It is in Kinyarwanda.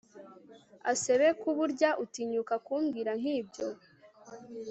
asebeku, burya utinyuka kumbwira nkibyo